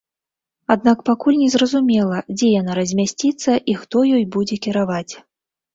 Аднак пакуль не зразумела, дзе яна размясціцца і хто ёй будзе кіраваць.